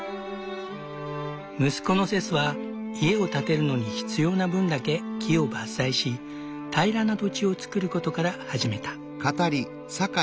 息子のセスは家を建てるのに必要な分だけ木を伐採し平らな土地をつくることから始めた。